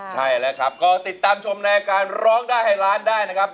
ใช่แล้วครับก็ติดตามชมในรายการร้องได้ให้ล้านได้นะครับ